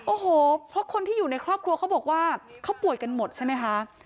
โอ้โหเพราะคนที่อยู่ในครอบครัวเขาบอกว่าเขาป่วยกันหมดใช่ไหมคะ